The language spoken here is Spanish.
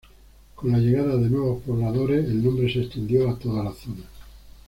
Con la llegada de nuevos pobladores el nombre se extendió a toda la zona.